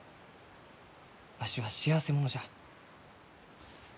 わしは幸せ者じゃ。